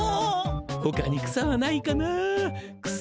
ほかに草はないかな草。